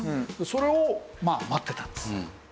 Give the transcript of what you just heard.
それをまあ待ってたんです。